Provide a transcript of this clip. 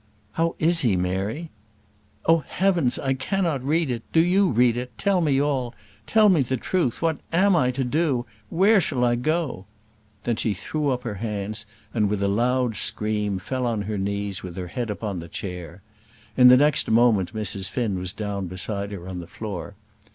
"How is he, Mary?" "Oh, heavens! I cannot read it. Do you read it. Tell me all. Tell me the truth. What am I to do? Where shall I go?" Then she threw up her hands, and with a loud scream fell on her knees with her head upon the chair. In the next moment Mrs. Finn was down beside her on the floor.